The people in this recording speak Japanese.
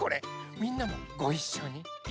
みんなもごいっしょにいきます